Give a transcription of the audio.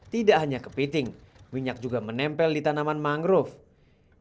tidak hanya kepiting minyak juga menempel di tanaman mangrove